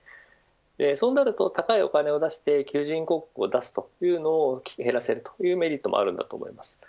そうなると高いお金を出して求人広告を出すというのを減らせるというメリットもあると思います。